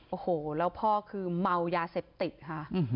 โอ้โหแล้วพ่อคือเมายาเสพติดค่ะ